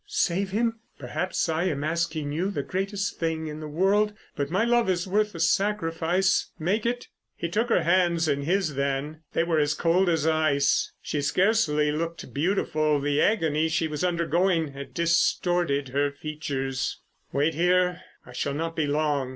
"Save him. Perhaps I am asking you the greatest thing in the world. If my love is worth the sacrifice—make it." He took her hands in his then. They were as cold as ice. She scarcely looked beautiful. The agony she was undergoing had distorted her features. "Wait here. I shall not be long."